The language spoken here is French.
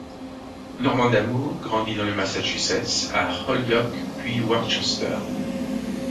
Norman D'Amours grandit dans le Massachusetts, à Holyoke puis Worcester.